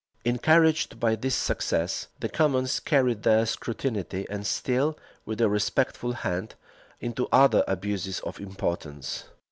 Encouraged by this success, the commons carried their scrutiny, and still with a respectful hand, into other abuses of importance.